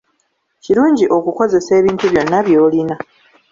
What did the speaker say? Kirungi okukozesa ebintu byonna by'olina.